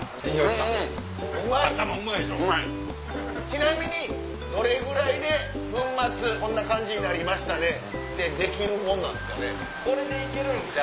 ちなみにどれぐらいで粉末こんな感じになりましたでできるもんなんですかね？